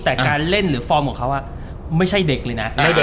แต่การเล่นไม่ใช่เด็กเลยนะ